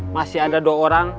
masih ada dua orang